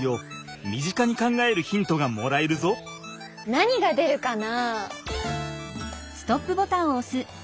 何が出るかな。